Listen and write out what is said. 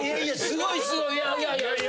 すごいすごい！